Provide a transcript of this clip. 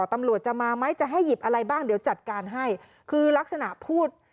ตำรวจจะมาไหมจะให้หยิบอะไรบ้างเดี๋ยวจัดการให้คือลักษณะพูด